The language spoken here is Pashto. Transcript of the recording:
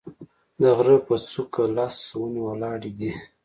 د غره په څوک لس ونې ولاړې دي